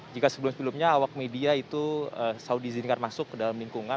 jika sebelum sebelumnya awak media itu selalu diizinkan masuk ke dalam lingkungan